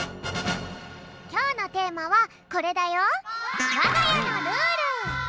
きょうのテーマはこれだよ。